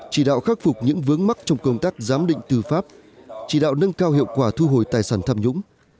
chỉ đạo khắc phục những vướng mắc trong công tác giám định tư pháp chỉ đạo nâng cao hiệu quả thu hồi tài sản tham nhũng